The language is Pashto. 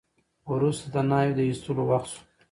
وروسته د ناوې د ایستلو وخت شو.